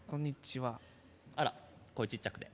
あら声ちっちゃくて。